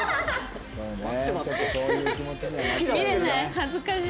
恥ずかしい。